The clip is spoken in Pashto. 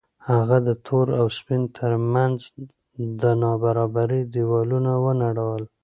هغه د تور او سپین تر منځ د نابرابرۍ دېوالونه ونړول.